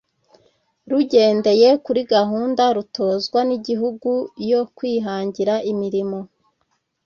rugendeye kuri gahunda rutozwa n'igihugu yo kwihangira imirimo